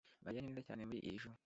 mariya ni mwiza cyane muri iri joro.